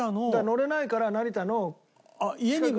乗れないから成田の近く。